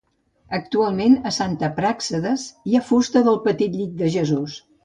Actualment a Santa Pràxedes hi ha fusta del petit llit de Jesús.